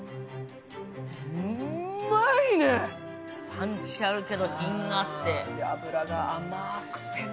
パンチあるけど品があって脂が甘くてね